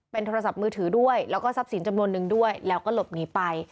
โทรศัพท์มือถือด้วยแล้วก็ทรัพย์สินจำนวนนึงด้วยแล้วก็หลบหนีไป